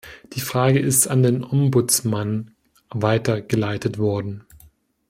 Die Frage ist an den Ombudsman weitergeleitet worden.